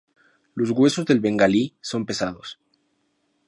Los huesos del Bengalí son pesados.